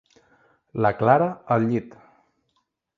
La Clara al llit.